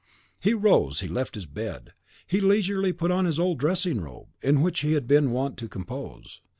He rose, he left his bed, he leisurely put on his old dressing robe, in which he had been wont to compose.